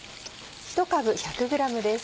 １株１００ｇです。